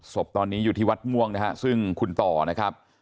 ศพตอนนี้อยู่ที่วัดม่วงนะฮะซึ่งคุณต่อนะครับ